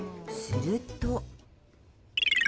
すると。